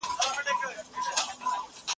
صحي خواړه د ماشومانو وده بهتره کوي.